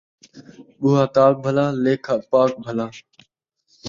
ٻوہا تاک بھلا، لیکھا پاک بھلا